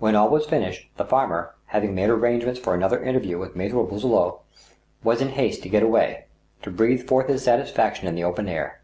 When all was finished, the farmer, having made arrangements for another interview with Maltre Boisselot, was in haste to get away — to breathe forth his satisfaction in the open air.